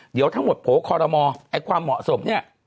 เดี๋ยวทั้งหมดโผล่คอรมอไอ้ความเหมาะสมเนี่ย